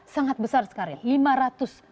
sangat besar sekarang ya